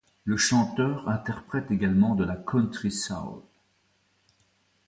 Le chanteur interprète également de la country soul.